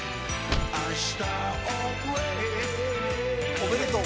おめでとう。